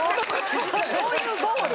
どういうゴール？